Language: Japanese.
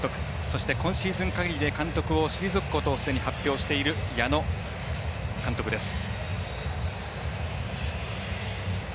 そして、今シーズンかぎりで監督を退くことをすでに発表している矢野監督です。